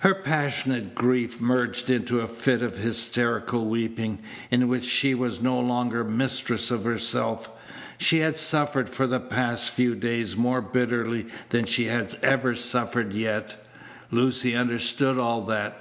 Her passionate grief merged into a fit of hysterical weeping, in which she was no longer mistress of herself. She had suffered for the past few days more bitterly than she had ever suffered yet. Lucy understood all that.